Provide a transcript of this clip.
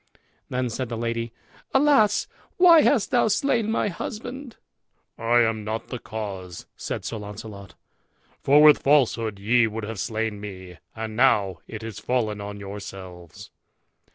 Then said the lady, "Alas! why hast thou slain my husband?" "I am not the cause," said Sir Launcelot, "for with falsehood ye would have slain me, and now it is fallen on yourselves."